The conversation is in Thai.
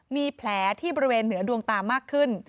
มีแผลที่บริเวณเหนือดวงตามากขึ้น